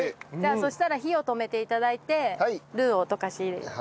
そしたら火を止めて頂いてルーを溶かし入れます。